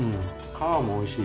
皮もおいしい。